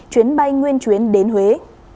chuyến bay nguyên chuyến đến huế